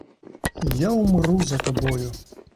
Я умру за тобою!